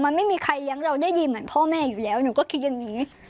มันไม่มีใครเลี้ยงเราได้ยินเหมือนพ่อแม่อยู่แล้วหนูก็คิดอย่างนี้